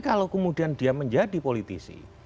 kalau kemudian dia menjadi politisi